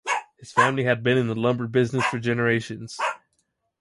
His family had been in the lumber business for generations.